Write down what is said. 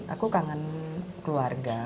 aku kangen keluarga